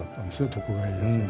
徳川家康は。